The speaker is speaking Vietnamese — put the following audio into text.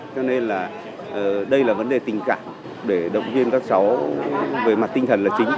cho nên là đây là vấn đề tình cảm để động viên các cháu về mặt tinh thần là chính